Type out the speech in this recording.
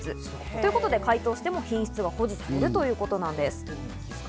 ということで、解凍しても品質は保持されるということなんです。